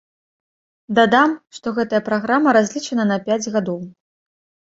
Дадам, што гэтая праграма разлічаная на пяць гадоў.